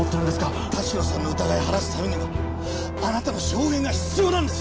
田代さんの疑いを晴らすためにもあなたの証言が必要なんですよ。